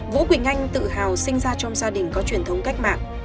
vũ quỳnh anh tự hào sinh ra trong gia đình có truyền thống cách mạng